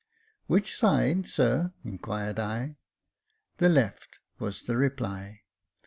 " Which side, sir ?" inquired I. " The left," was the reply.